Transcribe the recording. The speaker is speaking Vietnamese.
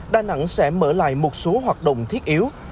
đà nẵng sẽ mở lại một số hoạt động thiết yếu